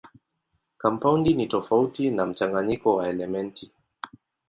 Kampaundi ni tofauti na mchanganyiko wa elementi.